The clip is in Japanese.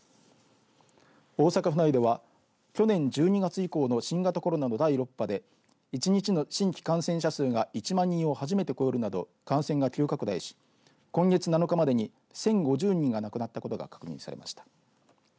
大阪府内では去年１２月以降の新型コロナの第６波で１日の新規感染者数が１万人を初めて超えるなど感染が急拡大し今月７日までに１０５０人が亡くなったことが確認されました。